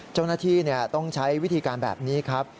เจ้าหน้าที่ต้องใช้วิธีการแบบนี้ครับ